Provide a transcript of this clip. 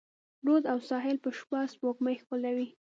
رود او ساحل به شپه، سپوږمۍ ښکلوي